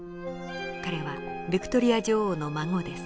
彼はヴィクトリア女王の孫です。